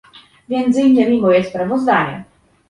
Między innymi moje sprawozdanie